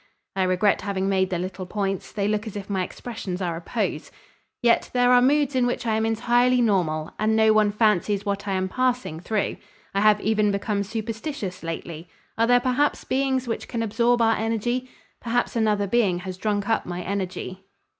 (I regret having made the little points. They look as if my expressions are a pose.) Yet there are moods in which I am entirely normal and no one fancies what I am passing through. I have even become superstitious lately. Are there perhaps beings which can absorb our energy? Perhaps another being has drunk up my energy."